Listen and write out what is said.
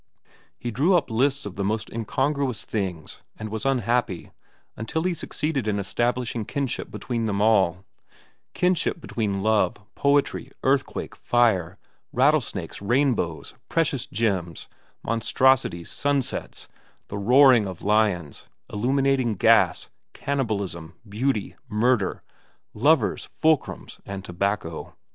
He drew up lists of the most incongruous things and was unhappy until he succeeded in establishing kinship between them all—kinship between love, poetry, earthquake, fire, rattlesnakes, rainbows, precious gems, monstrosities, sunsets, the roaring of lions, illuminating gas, cannibalism, beauty, murder, lovers, fulcrums, and tobacco.